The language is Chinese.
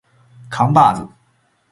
扛把子